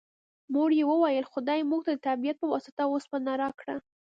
مور یې وویل خدای موږ ته د طبیعت په واسطه اوسپنه راکړه